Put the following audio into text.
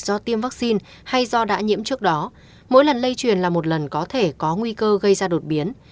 do tiêm vaccine hay do đã nhiễm trước đó mỗi lần lây truyền là một lần có thể có nguy cơ gây ra đột biến